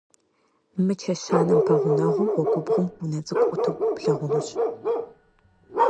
Мы чэщанэм пэгъунэгъуу гъуэгубгъум унэ цӀыкӀу Ӏуту плагъунущ.